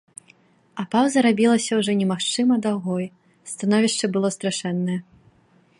А паўза рабілася ўжо немагчыма даўгой, становішча было страшэннае.